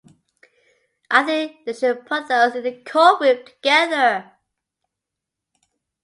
I think they should put us in the court room together!